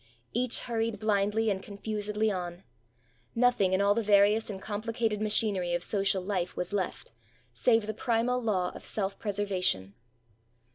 Each hurried blindly and confusedly on. Nothing in all the various and complicated machinery of social life was left save the primal law of self preservation